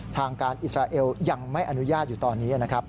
ทางการอิสราเอลยังไม่อนุญาตอยู่ตอนนี้นะครับ